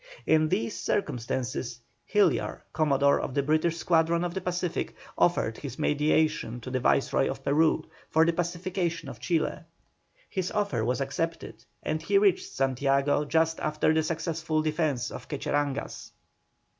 In these circumstances Hillyar, commodore of the British squadron of the Pacific, offered his mediation to the Viceroy of Peru for the pacification of Chile. His offer was accepted, and he reached Santiago just after the successful defence of Quecheraguas.